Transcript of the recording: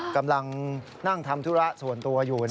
กำลังนั่งทำธุระส่วนตัวอยู่